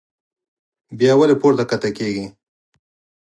بيا ولې پورته کښته کيږي